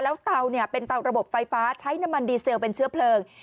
แล้วเตาเนี่ยเป็นเตาระบบไฟฟ้าใช้น้ำมันดีเซลเป็นเชื้อเพลิง